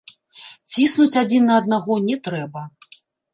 Ціснуць адзін на аднаго не трэба.